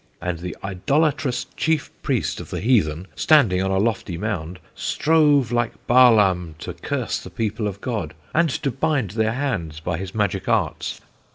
"And the idolatrous chief priest of the heathen, standing on a lofty mound, strove like Balaam to curse the people of God, and to bind their hands by his magic arts.